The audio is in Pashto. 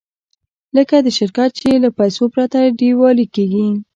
لکه د شرکت چې له پیسو پرته ډیوالي کېږي.